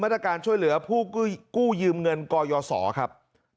ตรการช่วยเหลือผู้กู้ยืมเงินกยศครับ